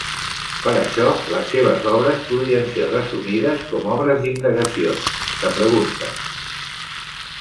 Per això les seves obres podrien ser resumides com obres d'indagacions, de preguntes.